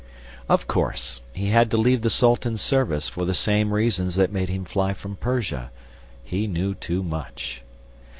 Of course, he had to leave the Sultan's service for the same reasons that made him fly from Persia: he knew too much.